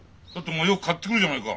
お前よく買ってくるじゃないか。